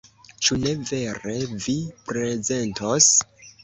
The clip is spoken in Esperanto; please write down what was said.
Ĉu ne vere, vi prezentos?